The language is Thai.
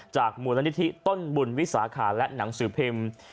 มูลนิธิต้นบุญวิสาขาและหนังสือพิมพ์